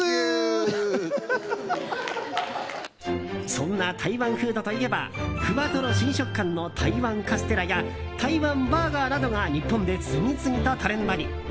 そんな台湾フードといえばふわとろ新食感の台湾カステラや台湾バーガーなどが日本で次々とトレンドに。